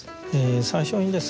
最初にですね